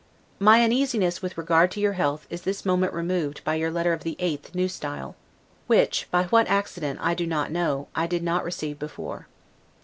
My uneasiness with regard to your health is this moment removed by your letter of the 8th N. S., which, by what accident I do not know, I did not receive before.